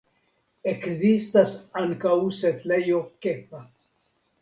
Ekzistas ankaŭ setlejo Kepa.